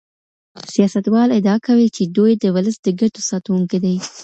سياستوال ادعا کوي چي دوی د ولس د ګټو ساتونکي دي.